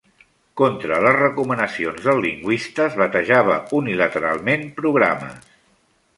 Contra les recomanacions dels lingüistes, batejava unilateralment programes.